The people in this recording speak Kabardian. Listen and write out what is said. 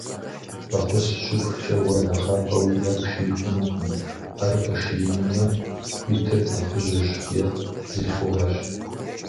Фӏэхъус щыпхкӏэ уэ нэхъапэ уи ӏэр пший хъунукъым, ӏэр къишиинумэ хуитыр нэхъыжьырщ е бзылъхугъэрщ.